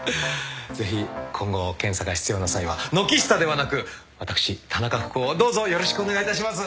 ぜひ今後検査が必要な際は軒下ではなく私田中福男をどうぞよろしくお願いいたします。